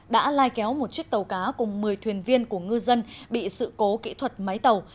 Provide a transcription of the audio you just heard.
đã lai kéo một chiếc tàu cá cùng một mươi thuyền viên của ngư dân bị sự cố kỹ thuật máy tàu